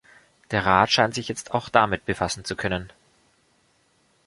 Der Rat scheint sich jetzt auch damit befassen zu können.